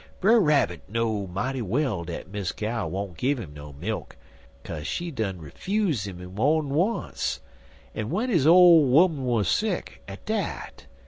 Brer Rabbit know mighty well dat Miss Cow won't give 'im no milk, kaze she done 'fuse 'im mo'n once, en w'en his ole 'oman wuz sick, at dat.